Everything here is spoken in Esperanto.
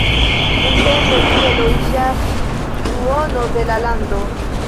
Nuntempe tie loĝas duono de la lando.